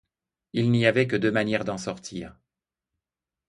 Il n'y avait que deux manières d'en sortir.